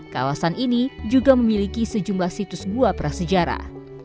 kawasan ini juga memiliki sejumlah situs gua prasejarah